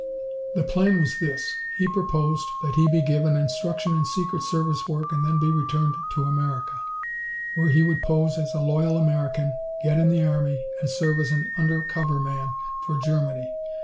"The plan was this: He proposed that he be given instruction in secret service work and then be returned to America, where he would pose as a loyal American, get in the army, and serve as an under cover man for Germany.